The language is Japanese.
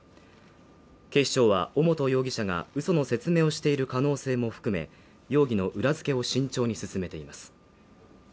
警視庁は尾本容疑者が嘘の説明をしている可能性も含め、容疑の裏付けを慎重に進めています。